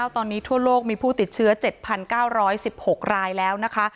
ตอนนี้ทั่วโลกมีผู้ติดเชื้อ๗๙๑๖รายแล้วนะคะ